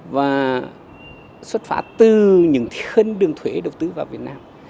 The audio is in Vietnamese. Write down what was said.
và xuất phá từ những thiên đường thuế đầu tư vào việt nam